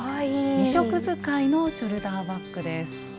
２色使いのショルダーバッグです。